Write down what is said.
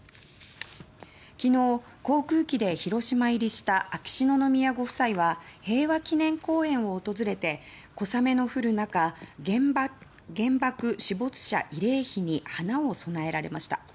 昨日、航空機で広島入りした秋篠宮ご夫妻は平和記念公園を訪れて小雨の降る中原爆死没者慰霊碑に花を供えられました。